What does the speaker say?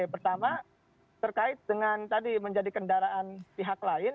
pertama terkait dengan tadi menjadi kendaraan pihak lain